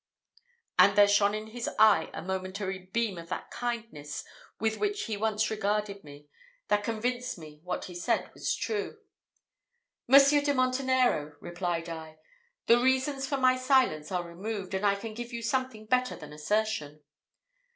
and there shone in his eye a momentary beam of that kindness with which he once regarded me, that convinced me what he said was true. "Monsieur de Montenero," replied I, "the reasons for my silence are removed, and I can give you something better than assertion."